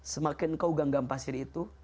semakin kau genggam pasir itu